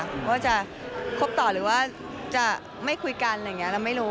ว่าจะคบต่อหรือว่าจะไม่คุยกันอะไรอย่างนี้เราไม่รู้